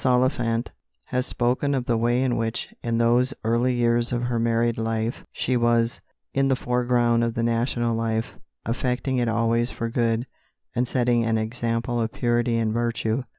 Oliphant has spoken of the way in which in those early years of her married life she was "in the foreground of the national life, affecting it always for good, and setting an example of purity and virtue.